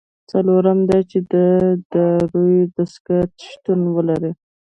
څلورم دا چې د داورۍ دستگاه شتون ولري.